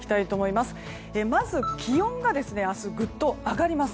まず気温が明日ぐっと上がります。